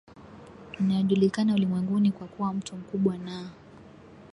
inayojulikana ulimwenguni kwa kuwa mto mkubwa na